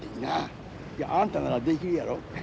あんたならできるやろ。